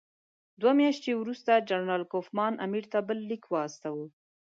دوه میاشتې وروسته جنرال کوفمان امیر ته بل لیک واستاوه.